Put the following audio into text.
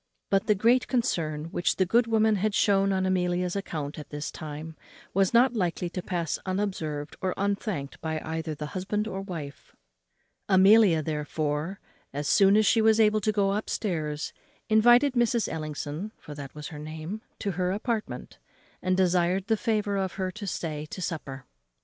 But the great concern which the good woman had shewn on Amelia's account at this time, was not likely to pass unobserved or unthanked either by the husband or wife. Amelia, therefore, as soon as she was able to go up stairs, invited Mrs. Ellison (for that was her name) to her apartment, and desired the favour of her to stay to supper.